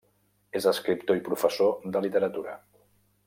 És escriptor i professor de literatura.